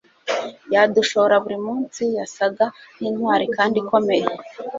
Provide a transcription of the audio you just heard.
yadushora buri munsi, yasaga nkintwari kandi ikomeye